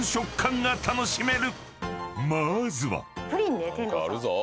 ［まずは］